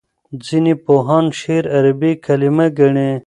ځینې پوهان شعر عربي کلمه ګڼي.